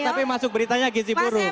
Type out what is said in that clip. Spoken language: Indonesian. tapi masuk beritanya gizi buruk